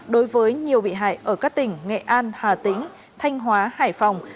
đối với nhiều bị hại ở các tỉnh nghệ an hà tĩnh thanh hóa hải phòng